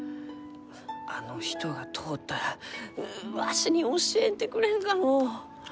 あの人が通ったらううわしに教えてくれんかのう？